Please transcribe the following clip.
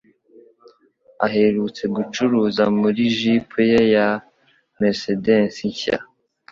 Aherutse gucuruza muri jip ye ya Mercedes nshya.